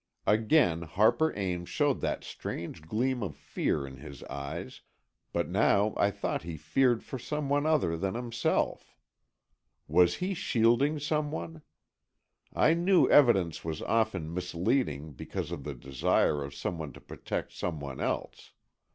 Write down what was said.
Again Harper Ames showed that strange gleam of fear in his eyes, but now I thought he feared for some one other than himself. Was he shielding some one? I knew evidence was often misleading because of the desire of some one to protect some one else.